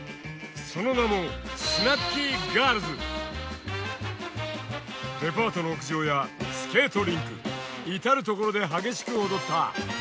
その名もデパートの屋上やスケートリンク至る所で激しく踊った。